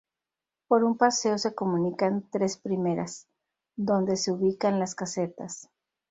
Por un paseo se comunican tres primeras, donde se ubican las casetas.